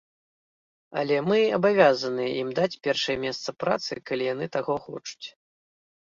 Але мы абавязаныя ім даць першае месца працы, калі яны таго хочуць.